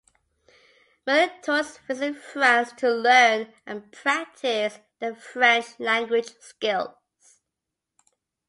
Many tourists visit France to learn and practice their French language skills.